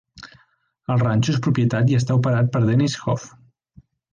El ranxo és propietat i està operat per Dennis Hof.